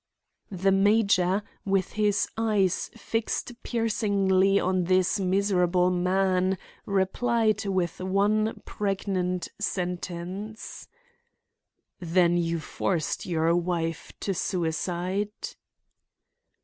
The major, with his eyes fixed piercingly on this miserable man, replied with one pregnant sentence: "Then you forced your wife to suicide?"